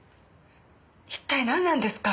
一体なんなんですか？